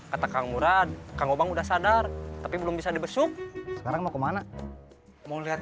kata kang murad koweora sudah sadar tapi belum bisa di besok sekarang mau kemana mau lihat